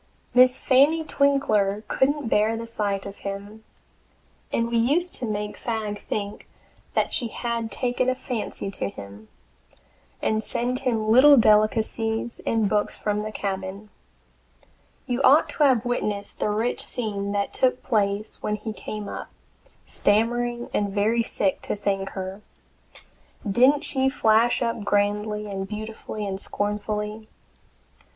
Miss Fanny Twinkler couldn't bear the sight of him, and we used to make Fagg think that she had taken a fancy to him, and send him little delicacies and books from the cabin. You ought to have witnessed the rich scene that took place when he came up, stammering and very sick, to thank her! Didn't she flash up grandly and beautifully and scornfully?